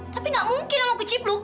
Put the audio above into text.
tapi gak mungkin nama aku cipluk